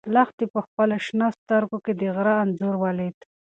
لښتې په خپلو شنه سترګو کې د غره انځور ولید.